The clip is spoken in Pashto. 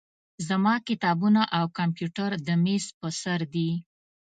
زما کتابونه او کمپیوټر د میز په سر دي.